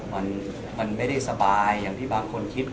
มันไม่ได้สบายอย่างที่บางคนคิด